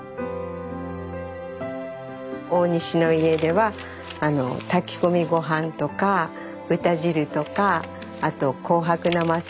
大西の家では炊き込み御飯とか豚汁とかあと紅白なますをね